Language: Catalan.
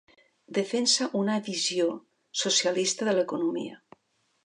Defensa una visió socialista de l'economia.